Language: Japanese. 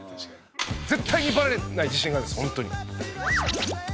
絶対にバレない自信があるんですホントに。